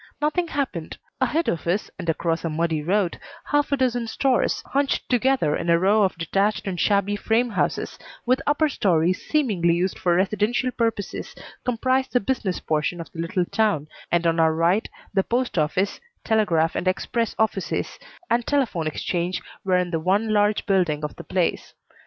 Nothing happened. Ahead of us and across a muddy road half a dozen stores, hunched together in a row of detached and shabby frame houses, with upper stories seemingly used for residential purposes, comprised the business portion of the little town, and on our right the post office, telegraph and express offices, and telephone exchange were in the one large building of the place.